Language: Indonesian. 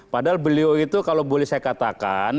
padahal beliau itu kalau boleh saya katakan